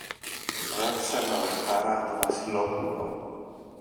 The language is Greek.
ρώτησε με λαχτάρα το Βασιλόπουλο.